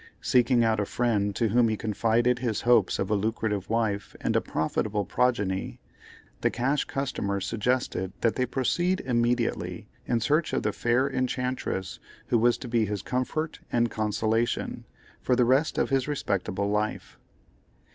Seeking out a friend to whom he confided his hopes of a lucrative wife and a profitable progeny, the Cash Customer suggested that they proceed immediately in search of the fair enchantress who was to be his comfort and consolation, for the rest of his respectable life.